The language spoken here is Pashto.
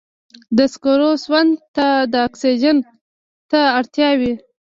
د سکرو سون ته د اکسیجن ته اړتیا وي.